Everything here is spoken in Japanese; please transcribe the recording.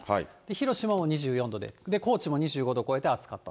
広島も２４度で、高知も２５度超えて暑かった。